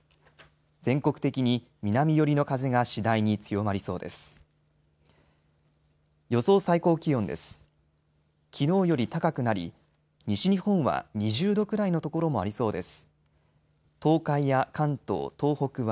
全国的に南寄りの風が次第に強まりそうです。